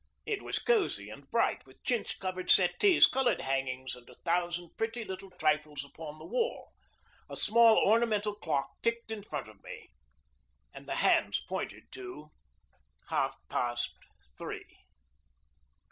It was cosey and bright, with chintz covered settees, colored hangings, and a thousand pretty little trifles upon the wall. A small ornamental clock ticked in front of me, and the hands pointed to half past three.